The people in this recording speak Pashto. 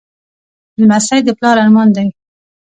لمسی د پلار ارمان دی.